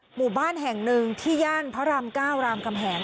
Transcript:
หมู่บ้านแห่งหนึ่งที่ย่านพระราม๙รามกำแหง